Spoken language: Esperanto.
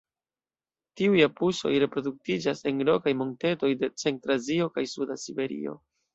Tiuj apusoj reproduktiĝas en rokaj montetoj de centra Azio kaj suda Siberio.